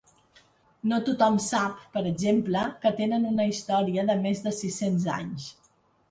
No tothom sap, per exemple, que tenen una història de més de sis-cents anys.